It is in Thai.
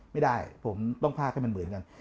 ไม่ได้ผมต้องภาคให้มันเหมือนกัน